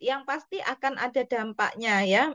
yang pasti akan ada dampaknya ya